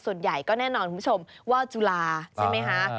ส่วนใหญ่ก็แน่นอนคุณผู้ชมว่าวจุฬาใช่ไหมคะ